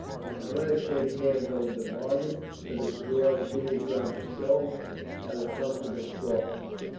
"Now, let us shake hands over the bargain. Let us draw our stools round the stove and have a comfortable talk.